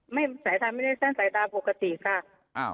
สายตาไม่ได้สั้นสายตาปกติค่ะ